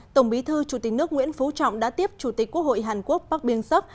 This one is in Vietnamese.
tổng bí thư chủ tịch nước nguyễn phú trọng đã tiếp chủ tịch quốc hội hàn quốc bắc biên sắc